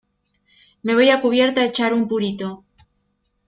me voy a cubierta a echar un purito